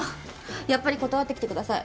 やっぱり断ってきてください。